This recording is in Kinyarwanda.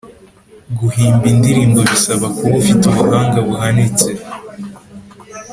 guhimba indirimbo bisaba kuba ufite ubuhanga buhanise